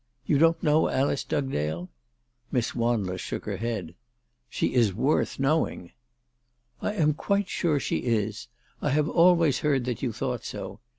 You don't know Alice Dugdale?" Miss Wanless shook her head. " She is worth knowing." " I am quite sure she is. I have always heard that you thought so.